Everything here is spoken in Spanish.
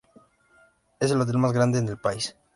Es el hotel más grande en el país.